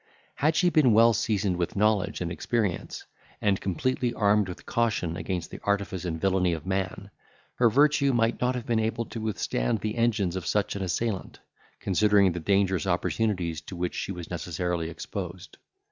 Had she been well seasoned with knowledge and experience, and completely armed with caution against the artifice and villany of man, her virtue might not have been able to withstand the engines of such an assailant, considering the dangerous opportunities to which she was necessarily exposed.